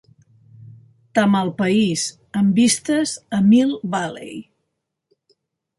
Tamalpais, amb vistes a Mill Valley.